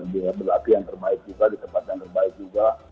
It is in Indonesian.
bisa berlatih yang terbaik juga di tempat yang terbaik juga